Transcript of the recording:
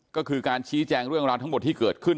ก็คือการชี้แจงเรื่องราวทั้งหมดที่เกิดขึ้น